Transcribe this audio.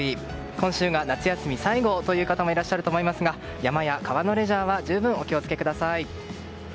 今週が夏休み最後という方もいらっしゃると思いますが山や川のレジャーは十分、お気を付けください。